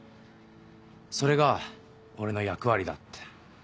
それが俺の役割だ」って。